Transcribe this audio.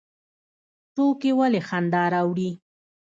ټوکې ولې خندا راوړي؟